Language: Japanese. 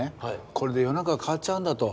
これで世の中が変わっちゃうんだと。